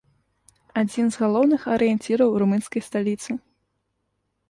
Адзін з галоўных арыенціраў румынскай сталіцы.